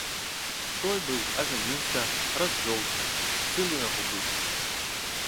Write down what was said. Той быў ажаніўся, развёўся, сын у яго быў.